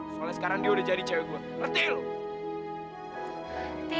soalnya sekarang dia udah jadi cewek gua merti lo